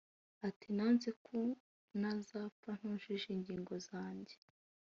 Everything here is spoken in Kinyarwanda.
Ati “Nanze ku nazapfa ntujuje ingingo zanjye